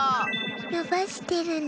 のばしてるの。